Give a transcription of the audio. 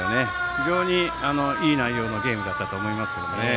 非常にいい内容のゲームだったと思います。